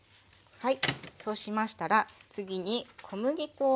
はい。